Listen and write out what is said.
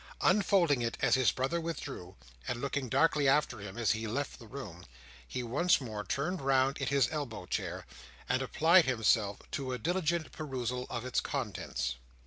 Unfolding it as his brother withdrew, and looking darkly after him as he left the room, he once more turned round in his elbow chair, and applied himself to a diligent perusal of its contents.